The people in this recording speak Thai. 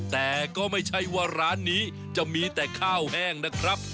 แต่ก็ไม่ใช่ว่าร้านนี้จะมีแต่ข้าวแห้งนะครับ